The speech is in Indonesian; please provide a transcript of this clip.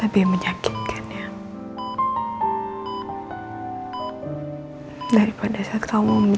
aku masih di tempatmu